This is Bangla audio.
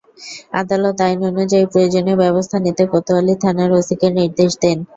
আদালত আইন অনুযায়ী প্রয়োজনীয় ব্যবস্থা নিতে কোতোয়ালি থানার ওসিকে নির্দেশ দেন।